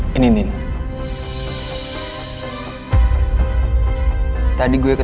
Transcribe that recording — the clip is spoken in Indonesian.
tau dari rafael